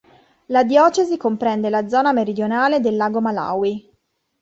La diocesi comprende la zona meridionale del lago Malawi.